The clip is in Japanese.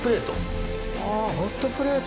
あホットプレート。